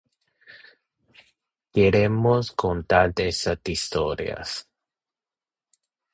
Queremos contar esas historias".